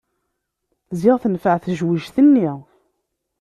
Ziɣ tenfeε tejwejt-nni.